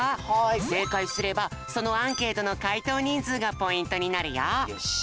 せいかいすればそのアンケートのかいとうにんずうがポイントになるよ。